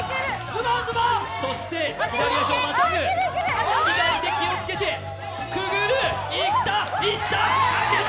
そして左足をまたぐ、左手気をつけて、くぐる、いった、いった！